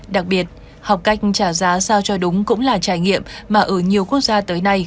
đặc biệt học cách trả giá sao cho đúng cũng là trải nghiệm mà ở nhiều quốc gia tới nay